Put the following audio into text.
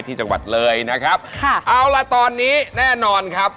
ที่จังหวัดเลยนะครับค่ะเอาล่ะตอนนี้แน่นอนครับ